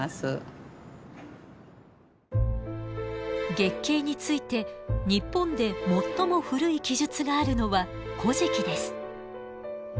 月経について日本で最も古い記述があるのは「古事記」です。